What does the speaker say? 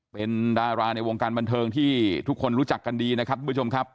เป็นดาราในวงการบันเทิงที่ทุกคนรู้จักกันดีนะครับทุกผู้ชมครับ